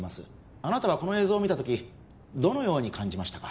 あなたはこの映像を見たときどのように感じましたか？